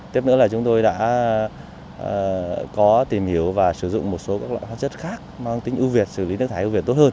tiếp nữa là chúng tôi đã có tìm hiểu và sử dụng một số các loại hóa chất khác mang tính ưu việt xử lý nước thải ưu việt tốt hơn